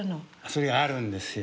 それがあるんですよ。